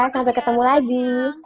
sampai ketemu lagi